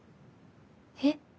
えっ？